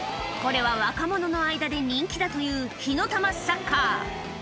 これは若者の間で人気だという火の玉サッカー